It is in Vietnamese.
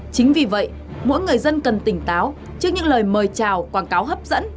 chính vì vậy mỗi người dân cần tỉnh táo trước những lời mời chào quảng cáo hấp dẫn